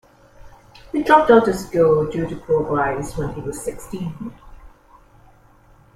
He dropped out of school, due to poor grades, when he was sixteen.